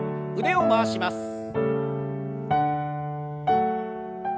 腕を回します。